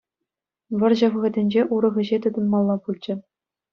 Вӑрҫӑ вӑхӑтӗнче урӑх ӗҫе тытӑнмалла пулчӗ.